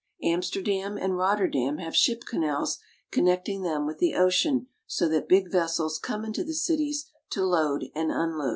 Amsterdam and Rotterdam have ship canals connecting them with the ocean, so that big vessels come into the cities to load and unload.